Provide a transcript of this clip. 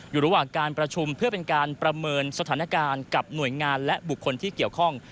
อยู่ระหว่างการประชุมเพื่อเป็นการประเมินสถานการณ์กับหน่วยงานและบุคคลที่เกี่ยวข้อง